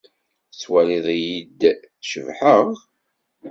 Tettwaliḍ-iyi-d cebḥeɣ?